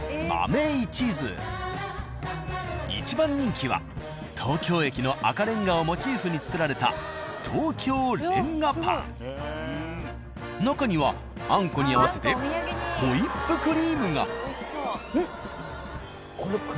一番人気は東京駅の赤レンガをモチーフに作られた中にはあんこに合わせてホイップクリームが。